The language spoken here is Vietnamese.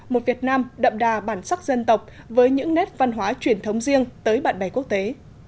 một việt nam đậm đà bản sắc dân tộc với những nét văn hóa truyền thống riêng tới bạn bè quốc tế